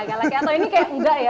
atau ini kayak enggak ya